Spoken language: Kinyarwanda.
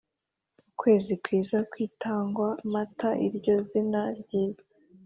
Ukwezi kwiza kwitwaga Mata Iryo zina ryiza